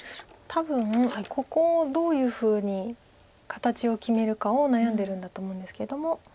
多分ここをどういうふうに形を決めるかを悩んでるんだと思うんですけども。